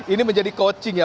ini menjadi coaching ya